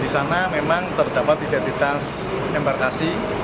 di sana memang terdapat identitas embarkasi